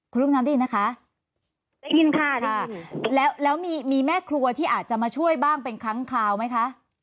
คุณรุ่งน้ำได้ยินนะคะได้ยินค่ะได้ยินแล้วแล้วมีมีแม่ครัวที่อาจจะมาช่วยบ้างเป็นครั้งคราวไหมคะ